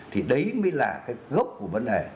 thì đấy mới là cái gốc của vấn đề